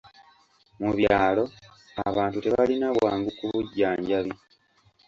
Mu byalo, abantu tebalina bwangu ku bujjanjabi.